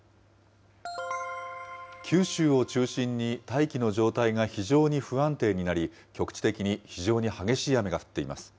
九州を中心に大気の状態が非常に不安定になり、局地的に非常に激しい雨が降っています。